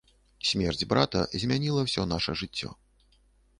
Смерць брата змяніла ўсё наша жыццё.